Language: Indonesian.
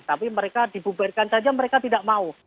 tapi mereka dibubarkan saja mereka tidak mau